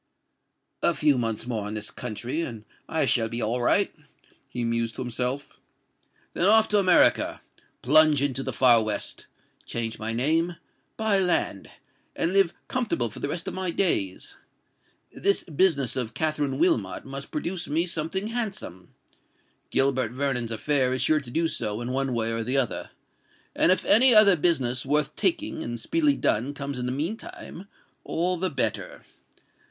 "A few months more in this country, and I shall be all right," he mused to himself: "then off to America—plunge into the far west—change my name—buy land—and live comfortable for the rest of my days. This business of Katherine Wilmot must produce me something handsome:—Gilbert Vernon's affair is sure to do so, in one way or the other;—and if any other business worth taking, and speedily done, comes in the meantime, all the better.